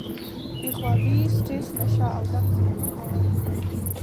بې خوابي ، سټريس ، نشه او دغسې نور عوامل لري